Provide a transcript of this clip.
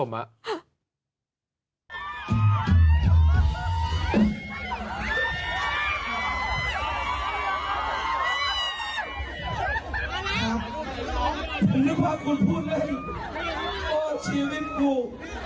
ถึงความคุณพูดนึกโปรดชีวิตกู